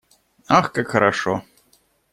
Ах, как хорошо!